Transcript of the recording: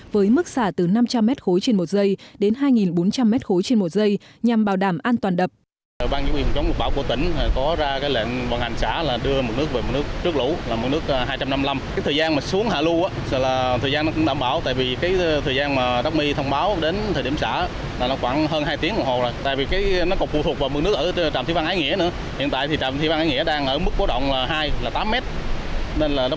với mức xả từ năm trăm linh m khối trên một giây đến hai bốn trăm linh m khối trên một giây nhằm bảo đảm an toàn đập